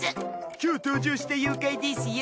今日登場した妖怪ですよ。